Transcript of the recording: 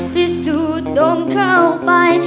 ที่สูดดมเข้าไป